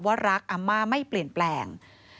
ว่ารักอาม่าไม่เปลี่ยนแปลง